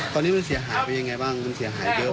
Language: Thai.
ตอนนี้มันเสียหายไปยังไงบ้างมันเสียหายเยอะ